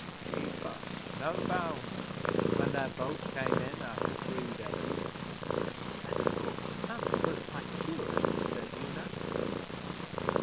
She fussed, no bounds, when their boat come in after three days.' 'And, of course, the sons were both quite cured?' said Una.